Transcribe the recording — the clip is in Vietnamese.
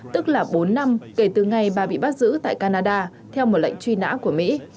tức là bốn năm kể từ ngày bà bị bắt giữ tại canada theo một lệnh truy nã của mỹ